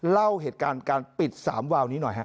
เล่าเหตุการณ์การปิด๓วาวนี้หน่อยฮะ